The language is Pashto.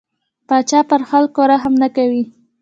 پاچا پر خلکو رحم نه کوي.